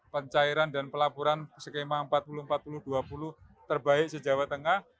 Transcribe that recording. pencairan dan pelaporan skema empat puluh empat puluh dua puluh terbaik se jawa tengah